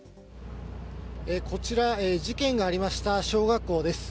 こちら、事件がありました小学校です。